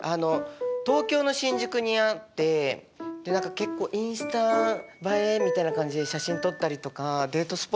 東京の新宿にあって結構インスタ映えみたいな感じで写真撮ったりとかデート